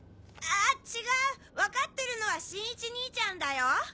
あぁ違う分かってるのは新一兄ちゃんだよ。